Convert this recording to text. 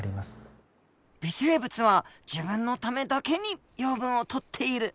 微生物は自分のためだけに養分をとっている。